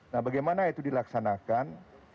nah bagaimana itu dilaksanakan